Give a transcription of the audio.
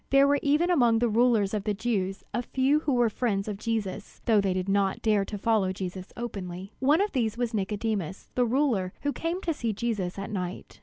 There were even among the rulers of the Jews a few who were friends of Jesus, though they did not dare to follow Jesus openly. One of these was Nicodemus, the ruler who came to see Jesus at night.